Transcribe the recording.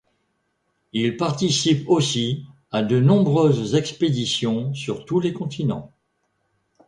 Il participe aussi à de nombreuses expéditions sur tous les continents.